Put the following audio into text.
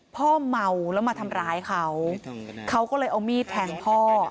พ่อเมาแล้วมาทำร้ายเขาเขาก็เลยเอามีดแทงพ่อ